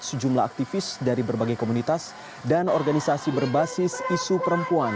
sejumlah aktivis dari berbagai komunitas dan organisasi berbasis isu perempuan